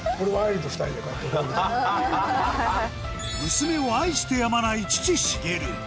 娘を愛してやまない父しげる